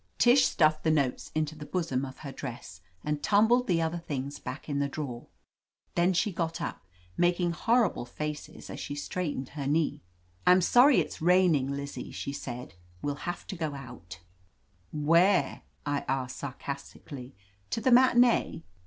Tish stuffed the notes into the bosom of her dress and tumbled the other things back in. ) the dmwer. Then she got up, making hor ( tible faces as she straightened her knee. "I'm sorry if s raining, Lizzie," she said, 'We'll have to go out." i6i THE AMAZING ADVENTURES "Where I" I asked sarcastically. To the matinee